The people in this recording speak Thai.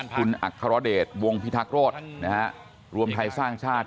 คุณอัครเดชวงพิทักษโรธนะฮะรวมไทยสร้างชาติ